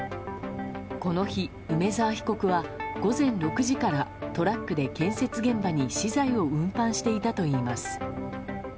この日、梅沢被告は午前６時からトラックで建設現場に資材を運搬していたといいます。